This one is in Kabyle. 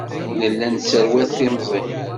Nella nesserwat timẓin.